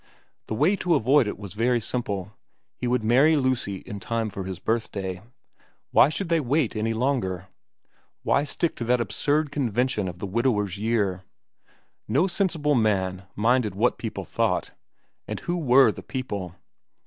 The way to avoid it was very simple : he would marry Lucy in time for his birthday. Why should they wait 132 VERA xn any longer ? Why stick to that absurd convention of the widower's year ? No sensible man minded what people thought. And who were the people